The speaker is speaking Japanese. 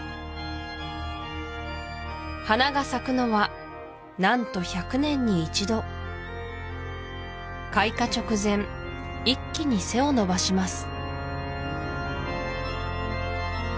花が咲くのは何と１００年に一度開花直前一気に背を伸ばします